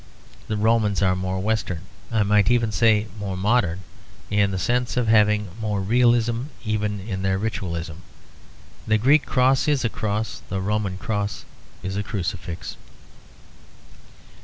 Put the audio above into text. The Romans are more Western, I might even say more modern, in the sense of having more realism even in their ritualism. The Greek cross is a cross; the Roman cross is a crucifix.